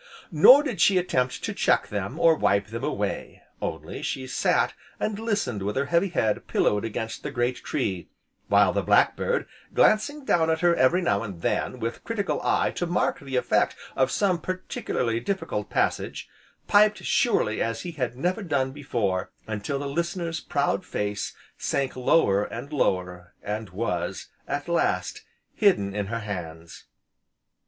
Nor did she attempt to check them, or wipe them away, only she sat and listened with her heavy head pillowed against the great tree, while the Blackbird, glancing down at her every now and then with critical eye to mark the effect of some particularly difficult passage, piped surely as he had never done before, until the listener's proud face sank lower and lower, and was, at last, hidden in her hands.